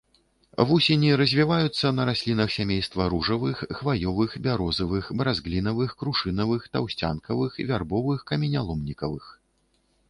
Вусені развіваюцца на раслінах сямейства ружавых, хваёвых, бярозавых, брызглінавых, крушынавых, таўсцянкавых, вярбовых, каменяломнікавых.